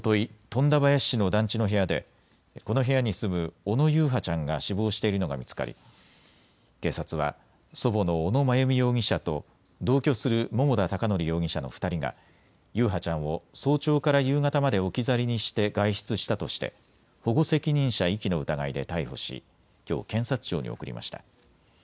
富田林市の団地の部屋でこの部屋に住む小野優陽ちゃんが死亡しているのが見つかり警察は祖母の小野真由美容疑者と同居する桃田貴徳容疑者の２人が優陽ちゃんを早朝から夕方まで置き去りにして外出したとして保護責任者遺棄の疑いで逮捕しきょう検察庁に送りました。